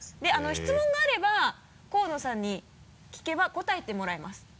質問があれば河野さんに聞けば答えてもらいます。